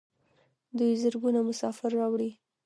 دوی زرګونه مسافر راوړي.